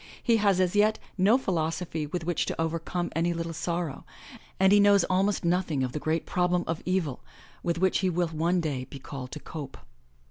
He has as yet no philosophy with which to overcome any little sorrow, and he knows almost nothing of the great prob lem of evil with which he will one day be called to cope.